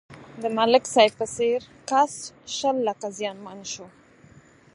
د ملک صاحب په څېر کس شل لکه زیانمن شو.